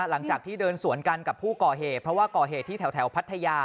หลังจากที่เดินสวนกันกับผู้ก่อเหตุเพราะว่าก่อเหตุที่แถวพัทยา